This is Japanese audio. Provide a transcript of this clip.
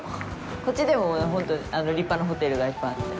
こっちでも本当、立派なホテルがいっぱいあって。